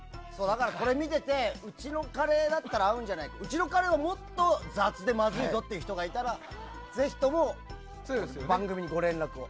これ見ててうちのカレーだったら合うんじゃないかうちのカレーはもっと雑でまずいぞって人がいたらぜひとも番組にご連絡を。